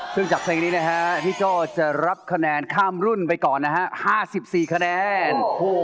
ซึ่งจากเพลงนี้นะฮะพี่โจ้จะรับคะแนนข้ามรุ่นไปก่อนนะฮะ๕๔คะแนน